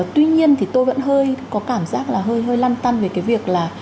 tuy nhiên thì tôi vẫn hơi có cảm giác là hơi hơi lăn tăn về cái việc là